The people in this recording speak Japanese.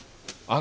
あ？